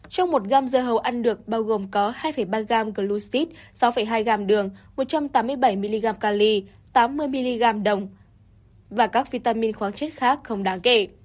trong một gram dơ hấu ăn được bao gồm có hai ba gram glucid sáu hai gram đường một trăm tám mươi bảy mg cali tám mươi mg đồng và các vitamin khoáng chất khác không đáng kể